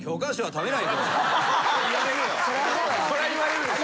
そりゃ言われるでしょ。